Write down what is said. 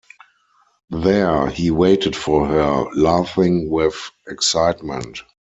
There he waited for her, laughing with excitement.